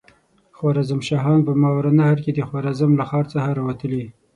خوارزم شاهان په ماوراالنهر کې د خوارزم له ښار څخه را وتلي.